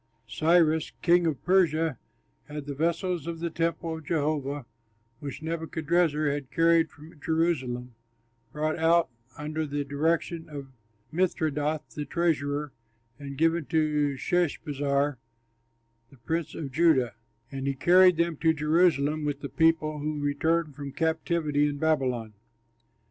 Cyrus, king of Persia, had the vessels of the temple of Jehovah, which Nebuchadrezzar had carried from Jerusalem, brought out under the direction of Mithredath, the treasurer, and given to Sheshbazzar, the prince of Judah; and he carried them to Jerusalem, with the people who returned from captivity in Babylon.